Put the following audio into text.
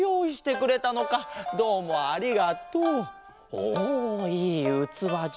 おいいうつわじゃ！